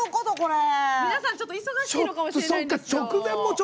皆さん、忙しいのかもしれないんですけど。